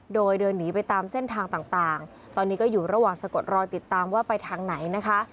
โดยเดินหนีไปตามเส้นทางต่างตอนนี้ก็อยู่ระหว่างสะกดรอยติดตามว่าไปทางไหนนะคะ